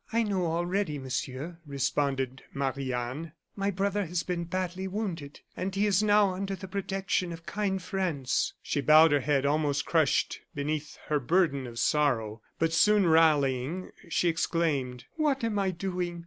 "I know, already, Monsieur," responded Marie Anne; "my brother has been badly wounded, and he is now under the protection of kind friends." She bowed her head, almost crushed beneath her burden of sorrow, but soon rallying, she exclaimed: "What am I doing!